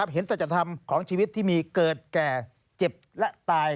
สัจธรรมของชีวิตที่มีเกิดแก่เจ็บและตาย